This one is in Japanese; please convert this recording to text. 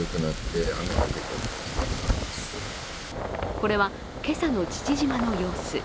これは今朝の父島の様子。